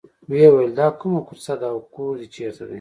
وویل دا کومه کوڅه ده او کور دې چېرته دی.